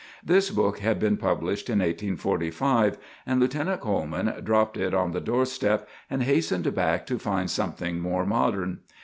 This book had been published in 1845, and Lieutenant Coleman dropped it on the door step and hastened back to find something more modern.